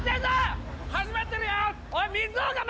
始まってるよ